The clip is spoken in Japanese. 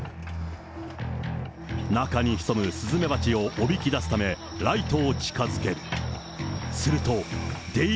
中に潜むスズメバチをおびき出すため、ライトを近づける。